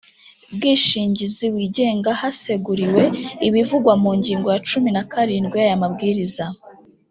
bwishingizi wigenga Haseguriwe ibivugwa mu ngingo ya cumin a karindwi y’aya mabwiriza,